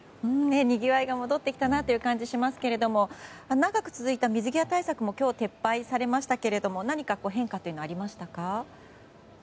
にぎわいが戻ってきたなという感じがしますが長く続いた水際対策も今日撤廃されたましたけれども何か変化というのはありましたか？